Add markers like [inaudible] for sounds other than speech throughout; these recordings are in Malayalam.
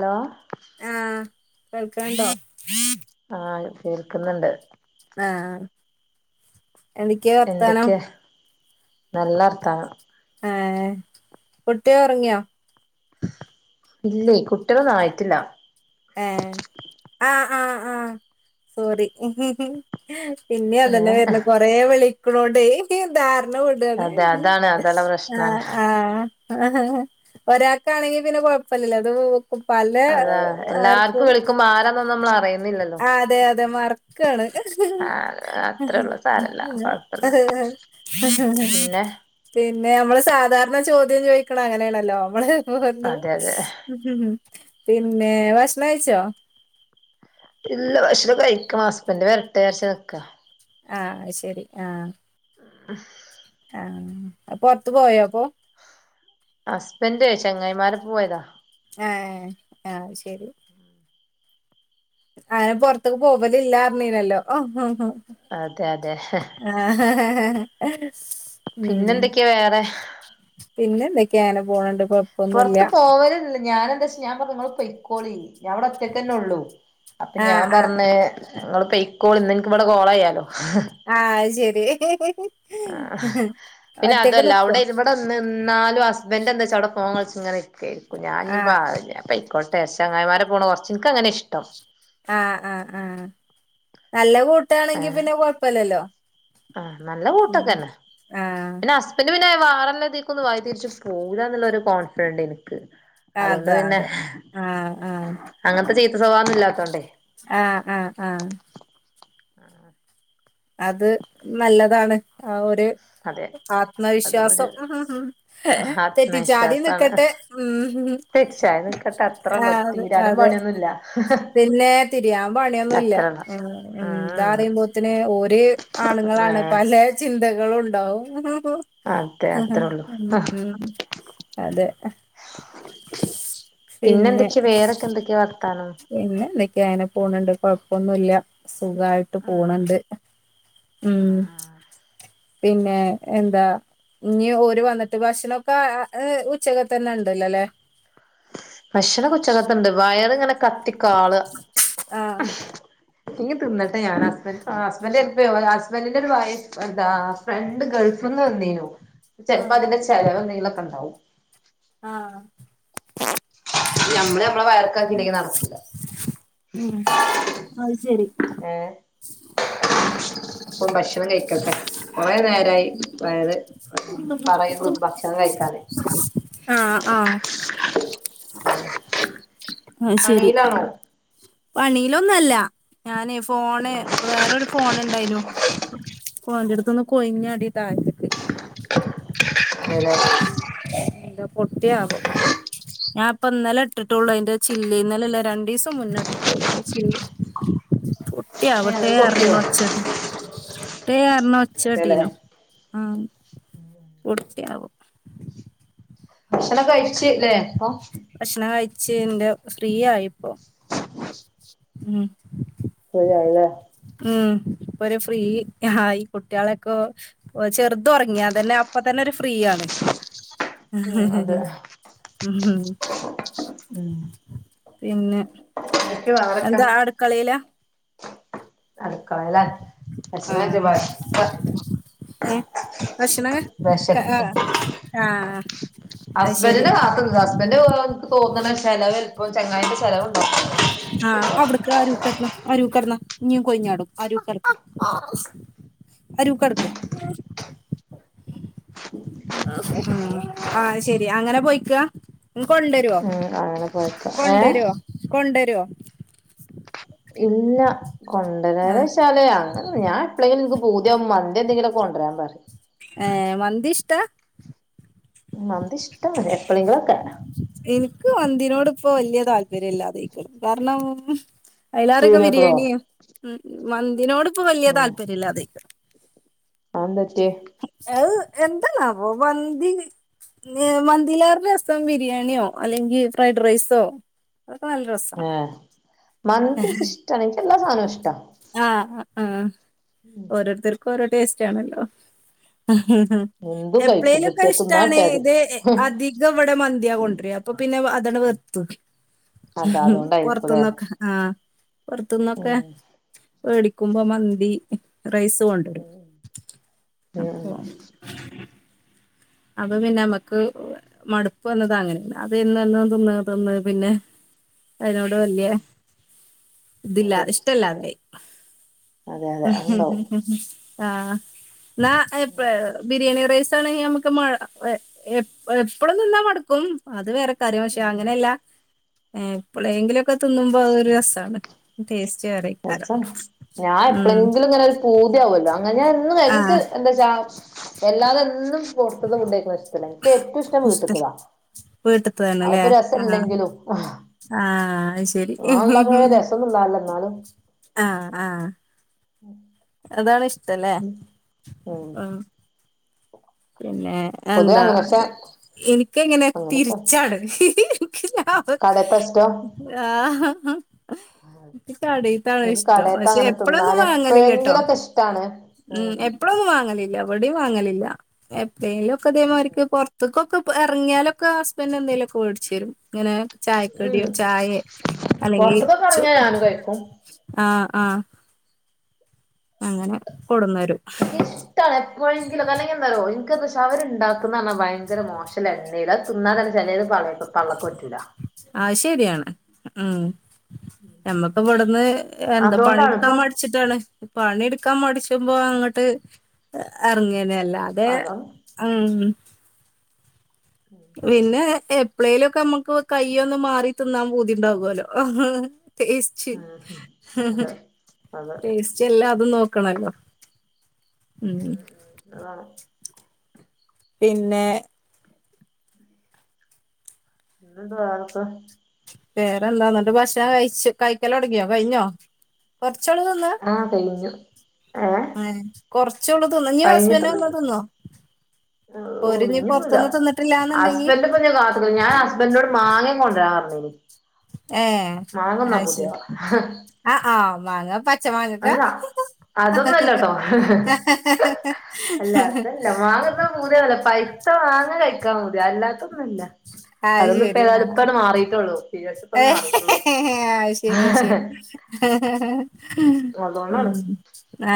ഹലോ ആഹ് കേൾക്കണ്ടോ ആഹ് കേൾക്കുന്നുണ്ട് ആഹ് എന്തൊക്കെ വർത്താനം എന്തൊക്കെയാ നല്ല വർത്താനം ആഹ് കുട്ടി ഉറങ്ങിയോ ഇല്ലേ കുട്ടികളൊന്നും ആയിട്ടില്ല. ഏ ആഹ് ആഹ് ആഹ് ആഹ് സോറി പിന്നെ അതന്നെ ഏഹ് വരുന്നേ, കൊറെ വിളിക്കണോണ്ടേ ധാ രണ വിടാണ് അതെ അതാണ് അതാണ് ആ പ്രശ്നാണ് ആഹ് ആ ഒരാൾക്കാണെങ്കി പിന്നെ കൊഴപ്പല്ലല്ലോ ഇത് പല അതാ എല്ലാർക്കും ആർക്കും വിളിക്കുമ്പോ ആരാനൊന്നും നമ്മൾ അറിയുന്നില്ല അതെ അതെ മറക്കാണ് ആഹ് ഹ് അത്രേള്ളൂ സാരല്ല കൊഴപ്പല്ല ഹ് ഹ്ഹ പിന്നെ പിന്നെ നമ്മള് സാധാരണ ചോദ്യം ചോദിക്കണം അങ്ങനെയാണല്ലോ നമ്മള് അതെ അതെ പിന്നേ ഭക്ഷണം കഴിച്ചോ ഇല്ല ഭക്ഷണം കഴിക്കണം ഹസ്ബന്റ് വരട്ടെ വിചാരിച്ചു നിക്കാ ആഹ് ശരി ആഹ് അ ആഹ് അപ്പൊ പുറത്തു പോയോ അപ്പൊ ഹസ്ബൻന്റ് ചെങ്ങായിമാരോപ്പം പോയതാ ഏ അത് ശരി അനെ പൊറത്ത്ക്ക് പോവല് ഇല്ലാറിഞ്ഞീലല്ലോ അതെ അതെ ഹെഹ് പിന്നെന്തൊക്കെയാ വേറെ പിന്നെ എന്തൊക്കെയ അങ്ങനെ പോണ് ണ്ട് പുറത്ത് പോവലില്ല ഞാന് എന്താ വച്ച ഞാൻ പറഞ്ഞു നിങ്ങൾ പൊയിക്കോളി ഞാൻ അവിടെ ഒറ്റക്ക തന്നെ ഉള്ളൂ അപ്പൊ ആഹ് ഞാൻ ആഹ് പറഞ്ഞേ നിങ്ങള് പെയ്ക്കോള്ന്ന് എനിക്ക് ഇവിടെ കോളെയ്യാലോ ആഹ് അയ്ശെരി ആ പിന്നെ അതല്ല നിക്കോ അവിടെ ഇബടെ നാലും ഹസ്ബൻഡ് എന്താ വെച്ചാ അവിടെ ഫോൺ കളിച് ഇങ്ങനൊക്കെരിക്കും ആഹ് ഞാനാ പയിക്കോട്ടെ ചങ്ങായിമാരെ പോണ് കൊറച്ച് എനിക്കങ്ങനെ ഇഷ്ടം ആഹ് ആഹ് ആഹ് നല്ല കൂട്ടാണെങ്കി പിന്നെ കൊഴപ്പല്ലല്ലോ ആ നല്ല ഉം കൂട്ടൊക്കെന്നെ ആഹ് പിന്നെ ഹസ്ബൻഡ് പിന്നെ വാറല്ലത്തേക്കൊന്നും വയിതിരിച്ച് പോകുലന്നൂള്ള കോൺഫിഡൻഡ് എനിക്ക് ണ്ട് അതുകൊണ്ട് അതെ പിന്നെ അതെ ആഹ് ആഹ് അങ്ങനത്തെ ചീത്ത സ്വഭാവൊന്നും ഇല്ലാത്തോണ്ടേ ആഹ് ആഹ് ആ ആഹ് അത് നല്ലതാണ് ആ ഒരു അതെ അതും ആത്മവിശ്വാസം ഒരു മ് തെറ്റിച്ചാതിം ആത്മവിശ്വാസാണ് നിക്കട്ടെ ഉം തെച്ചായ നിക്കട്ടെ ആ അത്രള്ളൂ അതെ തീരാനും അതെ പണിയൊന്നുല്ല പിന്നെ തിരിയാ പണിയൊന്നും ല്ലാ അത്രള്ള ഉം എന്താറിയുമ്പോത്തിനു ഓര് ആണുങ്ങളാണ് ഏഹ് പല ചിന്തകളും ഉണ്ടാവും അതെ അത്രേ ഉള്ളൂ ഉം അതെ പിന്നെ പിന്നെന്തൊക്കെയ വേറൊക്കെ എന്തൊക്കെയാ വർത്താനം പിന്നെ എന്തൊക്കെയ അങ്ങിനെ പോണിണ്ട് കൊഴപ്പൊന്നുല്ല സുഖായിട്ട് പോണ് ണ്ട് ഉം പിന്നെ എന്താ ഇനി ഓര് വന്നിട്ട് ഭക്ഷണോക്കെ ഉച്ചക്ക തന്നെ ഇണ്ടല്ലോല്ലേ ഭക്ഷണൊക്കെ ഉച്ചക്കത്തെണ്ട് വയറിങ്ങനെ കത്തിക്കാള ആഹ് ഇനി തിന്നട്ടെ ഞാന് ഹസ്ബഡ് ഹസ്ബൻഡ് ഹസ്ബൻഡിന്റെ ഒരു വൈഫ് എന്താ ഫ്രണ്ട് ഗൾഫ്ന്ന് വന്നീനു ചിലപ്പോ ആഹ് അതിന്റെ ചിലവ് ന്തേലൊക്കെ ഇണ്ടാവും ആഹ് ഞമ്മള് നമ്മളെ വയർക്കാക്കില്ലെങ്കി നടക്കൂല ഉം അത് ശരി ഏ ഇപ്പം ഭക്ഷണം കഴിക്കട്ടെ കുറേ നേരായി വയറു പറയുന്നു ഭക്ഷണം കഴിക്കാന് ആഹ് ആ ശരി പണിയിലാണോ പണിയിലൊന്നല്ല ഞാന് ഫോണ് വേറൊരു ഫോണ് ഇണ്ടായിനു അപ്പൊ ഓന്റടുത്തുന്ന് കൊയിഞ്ഞാടി താഴത്തേക്ക് അതെ ഇത് പൊട്ടിയാവോ ഞാൻ ഇപ്പ ഇന്നലെ ഇട്ടിട്ടുള്ളു അതിന്റെ ചില്ല് ന്നലല്ല രണ്ടു ദിവസം മുന്നേ ഇട്ടിട്ടുള്ളൂ തിന്റെചില്ല് ഏ അത് പൊട്ടിയാവട്ടെ പൊട്ടിയോ റഞ്ഞ് ഒച്ചകേട്ടീനി ട്ടേ ർഞ്ഞ് അതെല്ലേ ഒച്ചട്ടീനോ ആ പൊട്ടിയാവോ ഭക്ഷണം കഴിച്ചില്ലേ അപ്പൊ ച്ച്ന്റെ ഫ്രീ ആയിപ്പോ ഉം ശരിയായില്ലേ ഉം ഇപ്പോര് ഫ്രീ ആ ഈ കുട്ടികളൊക്കെ ചെറുത് ഒറങ്ങി അതന്നെ അപ്പൊ തന്നെ ഒരു ഫ്രീയാണ് ഉം അതെ ഉം പിന്നെ എനിക്ക് വേറൊക്കെ എന്താ അടുക്കളയിലാ അടുക്കളേല ഭക്ഷണം കഴിച്ച് ആഹ് [unintelligible] ഏ ഭക്ഷണം ക ആ ആ ഹസ്ബന്റിനെ കാത്ത്ന്നതാ ഹസ്ബൻ്റ് ഇൻക്ക് തോന്ന്ണേ ചെലവ ആ അവിട്ക്ക് ആ അരൂക്കട്ന്ന അരൂക്കട്ന്ന ഇഞ്ഞും കൊയിഞ്ഞാടും അരൂക്കട്ക്ക് അരൂക്കട്ക്ക് ആ ശെരി അങ്ങനെ പോയ്ക്കാ കൊണ്ടരോ ഉം അങ്ങനെ പോയക്ക ഏഹ് കൊണ്ടരോ കൊണ്ടരോ ഇല്ല ആ കൊണ്ടരരാശാല് അങ്ങനൊന്നും ഞാൻ എപ്പളേലും ഇൻക്ക് പൂതിയാവ്മ്പം മന്തി എന്തേങ്കിലൊക്കെ കൊണ്ടരാ പറിം ഏ മന്തി ഇഷ്ടാ ആ എനിക്ക് മന്തിനോട് ഇപ്പൊ വല്യ താല്പര്യം ഇല്ലാതായ്ക്ക്ണ് കാര്ണം അയ്ലാറക്കെ പീടികത്തതോ ബിരിയാണിയ മന്തിനോട് ഇപ്പൊ വല്യ താല്പര്യല്ലാതായ്ക്ക്ണ് ആന്തെ അത് എന്തന്നാവോ മന്തി മന്തിലേറെ രസം ബിരിയാണിയോ അല്ലെങ്കി ഫ്രൈഡ് റൈസോ അതൊക്കെ നല്ല രസാ ഏഹ് മന്തി എനിക്ക് ഇഷ്ടാണ് എനിക്ക് എല്ലാ സാധനവും ഇഷ്ടാ ആ ആ ഓരോര്ത്തർക്ക് ഓരോ ടേസ്റ്റാണല്ലോ എന്തും കഴിക്കും എപ്ളേയ്ലൊക്കെ കിട്ടിയ തിന്നാ ഇഷ്ടാണ് കിട്ടിയാതി ഇത് അധികം ഇവിടെ മന്തിയാ കൊണ്ടര അപ്പൊ പിന്നെ അതാണ്ട് വെർത്തു അതാ അതുകൊണ്ടായിരിക്കുംല്ലേ പൊർത്ത്ന്നൊക്കെ ആഹ് പൊർത്ത്ന്നൊക്കെ ഉം മേടിക്കുമ്പോ മന്തി റൈസ് കൊണ്ടരും അ ആ അപ്പ പിന്നെ നമ്മക്ക് മടുപ്പ് വന്നതാങ്ങനെ അത് എന്നു തിന്ന് തിന്ന് പിന്നെ ഐനോട് ഉം വല്യ ഉം ഇതില്ല അതെ ഇഷ്ടല്ലാതായ് അതെ അതെ അതുണ്ടാവും ഉം ആ ന്നാ ബിരിയാണി റൈസ് കിട്ടാണങ്കി അമ്മക്ക് മഴ എ എപ്പളും നിന്നാ മട്ക്കും അത് വേ കാര്യം പക്ഷെ അങ്ങനല്ല എപ്പളേങ്കിലൊക്കെ തിന്നുമ്പോ അതൊരു രസാണ് ടേസ്റ്റ് വേറെക്കാരം രസാണ് ഞാൻ ഉം എപ്പ്ളേങ്കിലും ഇങ്ങനെ ഒരു പൂതാവല്ലോ അങ്ങനെ ഞാൻ എന്നും ഇൻക്ക് ആഹ് എന്താച്ചാ എല്ലാതെന്നും പൊർത്ത്ന്ന് ഫുഡൈക്കണ ഇഷ്ടല്ല എൻക്ക് ഏറ്റ്യൊം ഇഷ്ടം ഇഷ്ട വീട്ട്ത്തതാ വീട്ട്ത്തതാണല്ലേ അപ്പൊ രസ ആഹ് ഇല്ലെങ്കിലും ആഹ് അത് ശരി അമ്മള്ണ്ടാക്ണെ രസൊന്നുണ്ടാഊല ഇന്നാലും ആഹ് ആ ഉം അതാണ് ഇഷ്ടല്ലേ ഉം പിന്നെ പൊതുവെ എന്താ അങ്ങനെ പക്ഷെ ഇനിക്ക് ഇങ്ങനെ അങ്ങനെയൊക്കെ തിരിച്ചാണ് കടേത്തെ ഇഷ്ടോ ആ ഇൻക്ക് കടീത്താണ് എനിക്ക് ഇഷ്ടം കടേത്തെ പക്ഷെ അങ്ങനെ എപ്പളൊന്നും തിന്നാൻ വാങ്ങല് ല്ലട്ടോ എപ്പോഴെങ്കിലൊക്കെ ഇഷ്ടാണ് ഉം എപ്പളൊന്നും വാങ്ങലില്ല ഇവടിം വാങ്ങലില്ല എപ്പളേലൊക്കെ ഇതേമാര്ക്ക് പൊർത്ത്ക്കൊക്കെ എർങ്ങിയാലൊക്കെ ഹസ്ബൻഡ് എന്തേലൊക്കെ വേട്ച്ചരും ഇങ്ങനെ ഉം ചായക്കടിയോ ചായെ അല്ലെങ്കി പൊറത്ത്ക്കൊക്കെ ചോ എറങ്ങിയാ ഞാനും കഴിക്കും ആഹ് ആഹ് അങ്ങനെ കൊടുന്നരും ഇഷ്ടാണ് എപ്പഴെങ്കിലൊക്കെ അല്ലങ്കി എന്താറ്യോ അവര് ഇണ്ടാക്കുന്നർഞ്ഞാ ഭയങ്കര മോശം എണ്ണയിയില അത് തിന്നാതന്നെ ചെലത് പള്ള പള്ളക്കറ്റൂല അയ് ശരിയാണ് ഉം. ഞമ്മക്ക് ഇവ്ടന്ന് എന്താ അതോണ്ടാണ് പണീട്ക്കാൻ ഇപ്പം മട്ച്ചിട്ടാണ്. പണീട്ക്കാൻ മട്ച്ചുമ്പൊ അങ്ങട്ട് എർങ്ങന്നെ. അല്ലാതെ അതാണ് ഉം. പിന്നെ എപ്പ്ളേലും ഒക്കെ മ്മക്ക് കയ്യ് ഒന്ന് മാറി തിന്നാൻ പൂതിണ്ടാകൊല്ലോ. ടേസ്റ്റ് ഉം ഹും അതെ അതെ ടേസ്റ്റ് എല്ലാംതും നോക്കണല്ലോ. ഉം ഉം അ വാണം. പിന്നെ പിന്നന്താ വേറൊക്കെ വേറെന്താന്ന്ട്ട് ഭക്ഷണം കഴിച്ച് കഴിക്കലൊട്ങ്ങിയോ കഴിഞ്ഞോ കൊർ ച്ചാളും തിന്നാ ആഹ് കഴിഞ്ഞു ഏഹ് കൊർ ച്ചൊള്ളൂ തിന്ന ഇഞ്ഞ് ഹസ്ബന്റ് വന്ന തിന്നോ? ആഹ്. ഓര് ഓഹ് ഇഞ്ഞ് ഇഞ്ഞ്ന്നൂല. പൊറത്ത്ന്ന് തിന്നിട്ടില്ലാന്ന്ണ്ടെങ്കി ഹസ്ബൻഡ് പ്പൊ ഞ്ഞ് കാത്ത്ക്ക്ണ്. ഞാൻ ഹസ്ബൻഡിനോട് മാങ്ങേ കൊണ്ടരാൻ പർഞ്ഞീ ഏഹ് അയ് ശരി പൂതിയാ അ ആഹ് മാങ്ങ പ ച്ചമാങ്ങക്കാ. അല്ല അതൊന്നല്ലട്ടോ തിന്നാൻ പൂതിയാവല്ല. പൈത്ത മാങ്ങാ കഴിക്കാൻ പൂതിയാ അല്ലാത്തൊന്നല്ല. അത് അതൊന്നുപ്പൊ ശരി ആ ഏതായാലും ഇപ്പാണ്ട് മാറിട്ടുള്ളൂ. പിരിയഡ്സ് പ്പൊന്ന് മാറിട്ടുള്ളൂ. അത് ശരി അത് ശരി അതുകൊണ്ടാണ് ഉം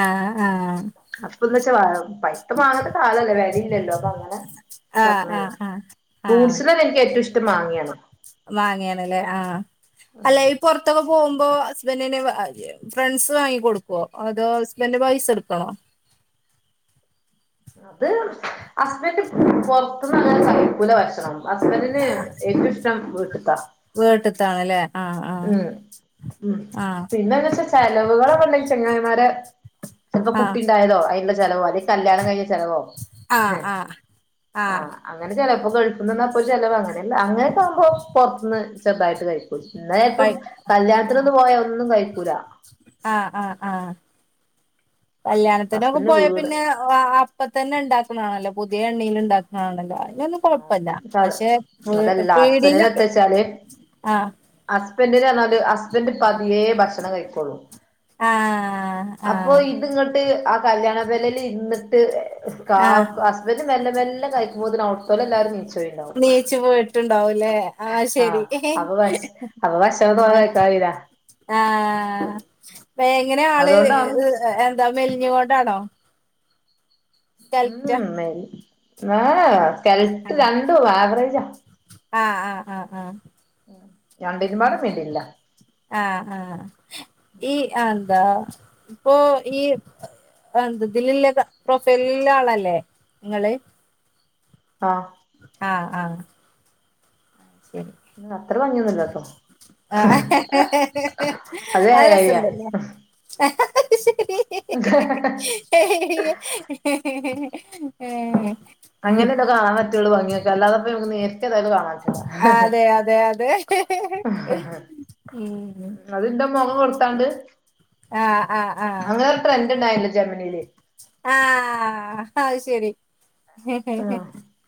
ആഹ് ആഹ്. അപ്പൊന്ന് വെച്ചാ പഴ്ത്ത മാങ്ങന്റെ കാലല്ലേ വെലീംല്ലല്ലോ. അപ്പൊ അങ്ങനെ ആ പർഞ്ഞെ. ആ ആ ഫ്രൂട്ട്സില് ഇൻക്ക് ഏറ്റവും ഇഷ്ടം മാങ്ങ്യണ്. മാങ്ങിയാണ് ലെ ആഹ് ഉം അല്ലെ ഈ പൊർത്തൊക്കെ പോവുമ്പോ ഹസ്ബെന്റിന് വാ ഫ്രണ്ട്സ് വാങ്ങി കൊട്ക്കോ അതോ ഹസ്ബെന്റ് പൈസ ഇട്ക്കോ? അത് ഹസ്ബെന്റ് പൊർത്ത്ന്ന് അങ്ങനെ കഴ്ക്കൂല ഭക്ഷണം ഹസ്ബെന്റിന് ഏറ്റവും ഇഷ്ടം വിട്ട്ത്താ വീട്ടിത്താണല്ലേ ആ ആ ഉം ഉം ആ പിന്നെ എന്താ വെച്ചാ ചെലവുകളൊക്കെ ഇണ്ടെങ്കി ചെങ്ങായ്മാരെ ചെൽപ്പം കുട്ടി ആ ഇണ്ടായതോ അയിന് ഇള്ള ചെലവോ അല്ലെ കല്യാണം കഴിഞ്ഞ ചെലവോ ഹും ആ ആ ആ ആഹ് അങ്ങനെ ചെല ഇപ്പ ഗൾഫ്ന്ന് വന്നാ അപ്പൊര് ചെലവ് അങ്ങനെയെല്ലാം അങ്ങനൊക്കെ ആവുമ്പോ പൊർത്ത്ന്ന് ചെറ്തായിട്ട് കഴിക്കും ഇന്നാ ചെൽപ്പം കഴിക്കും കല്യാണത്തിനൊന്നും പോയാ ഒന്നും കഴിക്കൂലാ കല്യാൺത്തിനൊക്കെ പോയാ വീട് പിന്നെ അ അപ്പ തെന്നെ ഇണ്ടാക്ക്ണെ ആണല്ലോ പുതെ എണ്ണീൽ ഇണ്ടാ ആണല്ലോ? അയ് [unintelligible] അത് അല്ല ഹസ്ബെന്റിന് പീടിലൊക്കെ എത്തോയ്ച്ചാൽ ആഹ് ഹസ്ബെന്റിന് പർണാൽ ഹസ്ബെന്റ് പതിയേ ഭക്ഷണം കഴിക്കോള്ളു ആഹ് അപ്പൊ ആഹ് ഇത് ഇങ്ങെട്ട് ആ കല്യാണം വെല്ലെ വെല്ലെ ഇര്ന്ന്ട്ട് ആഹ് കാക്കു ഹസ്ബെന്റ് മെല്ലെ മെല്ലാം കഴിക്കുമ്പോത്തിന് അയുട് എല്ലാരും നീച്ചോയിണ്ടാവും ഇണ്ടാവും ലെ ആഹ് ശെരി അപ്പൊ വെശ് അപ്പൊ ഭക്ഷണം തോനെ ആഹ് കഴിക്കാൻ കഴിയൂല ആഹ് വേ എങ്ങനെ ആൾ അതുകൊണ്ടാണ് ഹ് എന്താ മെൽഞ്ഞ് കൊണ്ടാണോ? ഉംമം മെൽ ഏഹ് എഹ് സ്കെൽട്ട് ആഹ് രണ്ടും ആവറേജാ ആഹ് ആഹ് ആഹ് ആഹ് ഉം രണ്ടിലും പാടെ [unintelligible] ആഹ് ആഹ് ഈ അയ് എന്താ ഇപ്പൊ ഈ [unintelligible] ത്തിലില്ലെ കാ പ്രൊഫൈലിൽ ഇള്ള ആൾ അല്ലെ ഇങ്ങെൾ ആഹ് ആഹ് ആഹ് അത്ര ഭംഗിയൊന്നുംല്ല കേട്ടോ ഹ ഹ ഹ ഹ അത് ആ അഹ് ഏഴായിരാ രസണ്ട് ല്ലേ [inaudible] [inaudible] അങ്ങനെല്ലേ കാണാൻ പറ്റുള്ളൂ ഭംഗിയക്കെ അല്ലാതെപ്പോ നേരിട്ടേതായാലും കാണ അതെ, അതെ, അതെ ഹി ഹി അതിന്റെ മുഖം കൊടുത്താണ്ട് ആഹ് ആഹ് ആഹ് അത് ട്രെൻഡ്ണ്ടായിരുന്നു ജമനീല് ആ അഹ് ശരി ആഹ്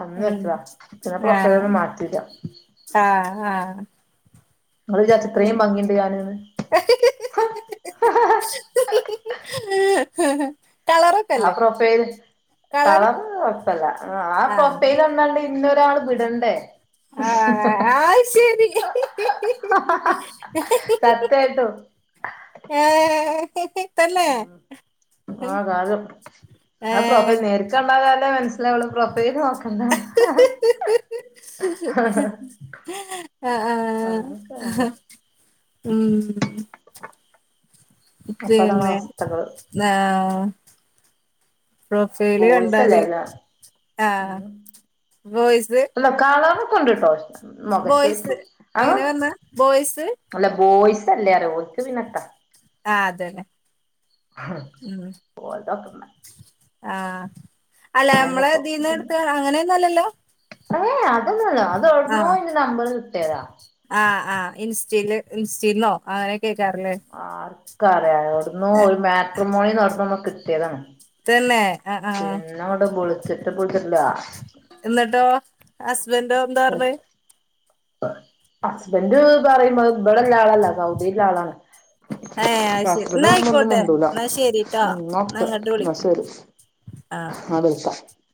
അന്ന് ഉം വെച്ചതാ പിന്നെ ആ പ്രൊഫൈലൊന്നും മാറ്റിയില്ല ആ ഹാ അങ്ങള് വിചാരിച്ചിത്രയും ഭംഗിയണ്ട് ഞാന്ന്ന് [unintelligible] ആഹ്, പ്രൊഫൈൽ കളറ് കൊഴപ്പല്ല, ആ ആഹ് പ്രൊഫൈലോന്നാണ്ട് പിന്നൊരാൾ വിടണ്ടേ ആ ശരി സത്യായിട്ടും ഏ ഹ്മ്മ്, ആഹ് കാല് [unintelligible] ഏഹ് നേരിക്കണ്ട കാല് മന ഇന്നവളു പ്രൊഫൈൽ നോക്കണ്ട അ ആ അങ്ങനൊക്കാണ് ഉം അപ്പതാണ് പിന്നെ അവസ്ഥകള് ആ പ്രൊഫൈല് ബോയ്സല്ലേ കണ്ടാല് എല്ലാം ആ ഉം വോയിസ് ഉണ്ട്ട്ടോ മൊഖശേപ്പു അ എങ്ങനെ പറഞ്ഞെ ബോയ്സ് അല്ല ബോയ്സ് ല്ലറ ഓൽക്ക് പിന്നത്താ ആഹ് അതന്നെ ഉം പോയതോക്കുന്ന ആ അല്ല പിന്നെ നമ്മളതീന്ന്ടുത്ത അങ്ങനെയൊന്നുല്ലല്ലോ ഏ അതൊന്നല്ല അതേടന്നോ ഇന്റെ നമ്പർ കിട്ടിയതാ ചില് ഇൻസ്റ്റിന്നോ അങ്ങനെകേക്കാരല്ലേ ക്കറിയ എവിടുന്നോ ഒരു മാട്രിമോണിന്ന് അവിട്ന്നൊന്ന് കിട്ടിയതാണ് തന്നെ ആഹ് ആഹ് പിന്നവിടെ [unintelligible] എന്നിട്ടോ ഹസ്ബന്റോ എന്താ പറഞ്ഞ് ഹസ്ബന്റ് പറയുമ്പോ അഹ് ഇവിടെള്ള ആളല്ല സൗദിയില്ള്ള ആളാണ് ഏഹ് അത് ശരി ഹസ്ബൻഡ് എന്നാ വന്നാ ഒന്നും ആയിക്കോട്ടെ മുണ്ടൂല, എന്നാ ശരിട്ടോ എന്നാ ഓക്കെ, അങ്ങട്ട് എന്നാ വിളിക്ക് ശരി. ആഹ് [unintelligible]